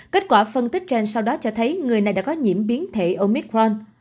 kết quả phân tích trên sau đó cho thấy người này đã có nhiễm biến thể omitron